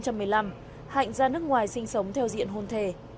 hạnh ra nước ngoài sinh sống theo diện hôn thề